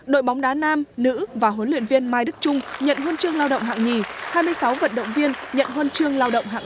đội bóng đá nam nữ và huấn luyện viên mai đức trung nhận huân chương lao động hạng nhì hai mươi sáu vận động viên nhận huân chương lao động hạng ba